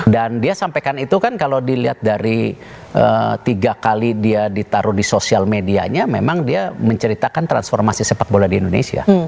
dan dia sampaikan itu kan kalau dilihat dari tiga kali dia ditaruh di sosial medianya memang dia menceritakan transformasi sepak bola di indonesia